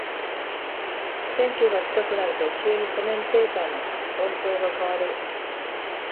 選挙が近くなると急にコメンテーターの論調が変わる